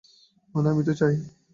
মানে, আমি তো চাই।